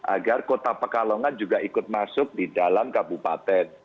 agar kota pekalongan juga ikut masuk di dalam kabupaten